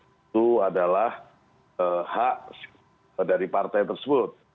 itu adalah hak dari partai tersebut